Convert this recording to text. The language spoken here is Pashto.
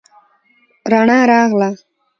رڼا راغله.